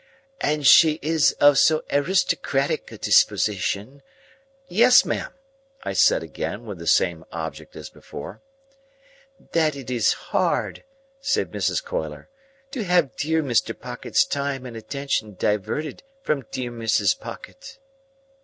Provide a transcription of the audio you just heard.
"And she is of so aristocratic a disposition—" "Yes, ma'am," I said again, with the same object as before. "—That it is hard," said Mrs. Coiler, "to have dear Mr. Pocket's time and attention diverted from dear Mrs. Pocket."